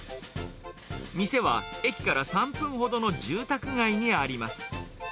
店は駅から３分ほどの住宅街にあります。